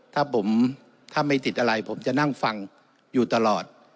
ถ้าผมถ้าไม่ติดอะไรผมจะนั่งฟังอยู่ตลอด